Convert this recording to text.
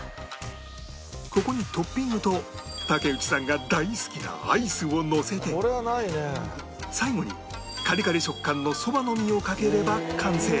ここにトッピングと竹内さんが大好きなアイスをのせて最後にカリカリ食感の蕎麦の実をかければ完成